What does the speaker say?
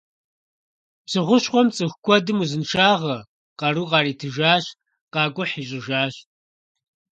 Псы хущхъуэм цӀыху куэдым узыншагъэ, къару къаритыжащ, къакӀухь ищӀыжащ.